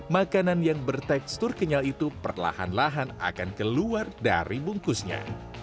makanan yang bertekstur kenyal itu perlahan lahan akan keluar dari bungkusnya